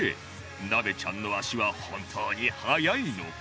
なべちゃんの足は本当に速いのか？